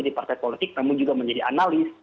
di partai politik namun juga menjadi analis